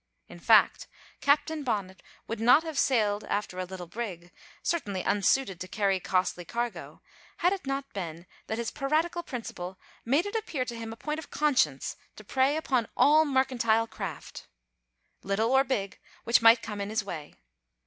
In fact, Captain Bonnet would not have sailed after a little brig, certainly unsuited to carry costly cargo, had it not been that his piratical principle made it appear to him a point of conscience to prey upon all mercantile craft, little or big, which might come in his way.